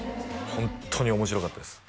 ホントに面白かったです